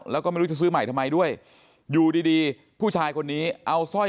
แล้วก็ไม่รู้จะซื้อใหม่ทำไมด้วยอยู่ดีดีผู้ชายคนนี้เอาสร้อย